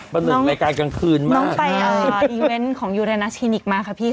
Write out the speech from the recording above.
เหมือนในการกลางคืนมากน้องไปอ่าอีเวนต์ของมาค่ะพี่ค่ะ